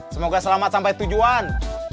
semoga selamat sampai tujuan